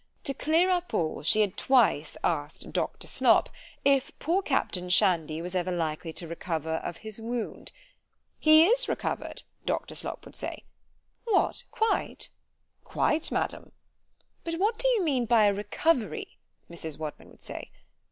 To clear up all, she had twice asked Doctor Slop, "if poor captain Shandy was ever likely to recover of his wound——?" ——He is recovered, Doctor Slop would say—— What! quite? Quite: madam—— But what do you mean by a recovery? Mrs. Wadman would say.